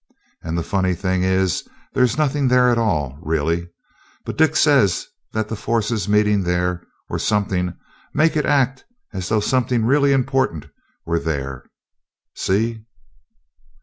And the funny thing is that there's nothing there at all, really; but Dick says that the forces meeting there, or something, make it act as though something really important were there. See?"